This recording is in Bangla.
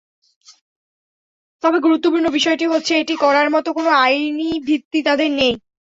তবে গুরুত্বপূর্ণ বিষয়টি হচ্ছে, এটি করার মতো কোনো আইনি ভিত্তি তাঁদের নেই।